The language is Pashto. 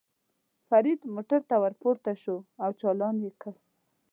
فرید موټر ته ور پورته شو او چالان یې کړ.